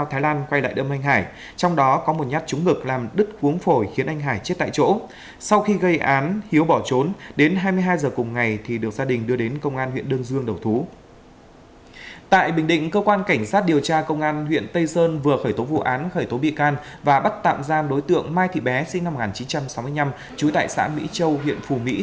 hãy đăng ký kênh để ủng hộ kênh của mình nhé